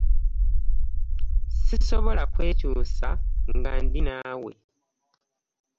Sisobola kwekyuusa nga ndi naawe.